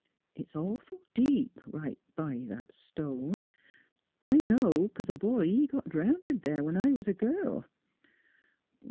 It's awful deep, right b' that stone. I know, 'cause a boy, he got drownded there, when I was a girl.